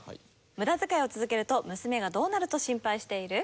ムダ遣いを続けると娘がどうなると心配している？